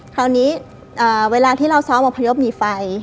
คราวนี้เวลาที่เราซ้อมอพยพหนีไฟ